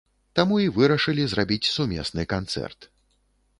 Таму і вырашылі зрабіць сумесны канцэрт.